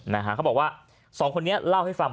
เขาบอกว่าสองคนนี้เล่าให้ฟัง